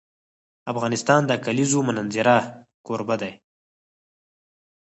افغانستان د د کلیزو منظره کوربه دی.